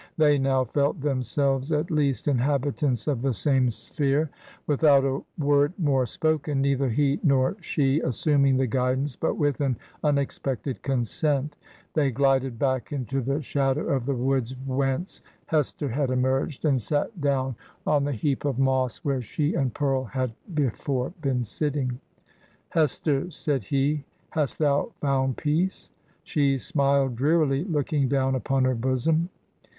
They now felt themselves, at least, inhabitants of the same sphere. Without a word more spoken — neither he nor she as suming the guidance, but with an unexpected consent — ^they glided back into the shadow of the woods, whence Hester had emerged, and sat down on the heap of moss 169 Digitized by VjOOQIC HEROINES OF FICTION where she and Pearl had hefore been sitting. ...' Hester/ said he^ ' hast thou found peace?' She smiled drearily, looking down upon her bosom.